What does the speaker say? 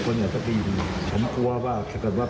ผมก็ถึงยอมมาเวิร์นกับเขาเพราะว่าผมไม่ได้จะเลิก